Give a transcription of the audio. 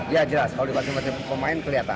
ya jelas kalau di pasangan pemain kelihatan